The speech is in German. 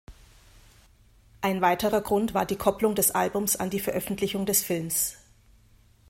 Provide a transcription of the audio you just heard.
Ein weiterer Grund war die Kopplung des Albums an die Veröffentlichung des Films.